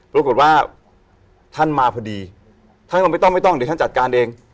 ปรากฏว่าท่านมาพอดีท่านก็ไม่ต้องไม่ต้องเดี๋ยวท่านจัดการเอง